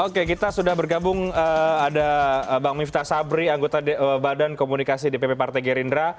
oke kita sudah bergabung ada bang miftah sabri anggota badan komunikasi dpp partai gerindra